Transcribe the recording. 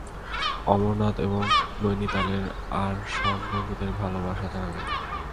অমরনাথ ও নৈনিতালের আর সব বন্ধুদের ভালবাসা জানাবে।